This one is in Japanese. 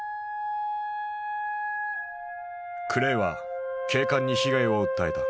クレイは警官に被害を訴えた。